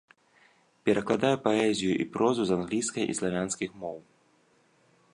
Перакладае паэзію і прозу з англійскай і славянскіх моў.